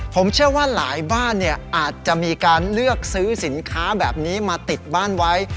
ผมเชื่อว่าหลายบ้านอาจจะมีการเลือกซื้อสินค้าแบบนี้มาติดบ้านไว้